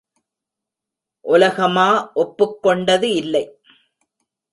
உலகமா ஒப்புக் கொண்டது இல்லை.